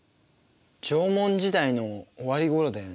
縄文時代の終わりごろだよね？